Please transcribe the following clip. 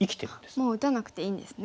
もう打たなくていいんですね。